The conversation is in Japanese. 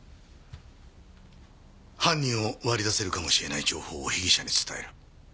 犯人を割り出せるかもしれない情報を被疑者に伝える。